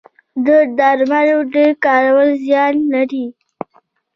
د درملو ډیر کارول زیان لري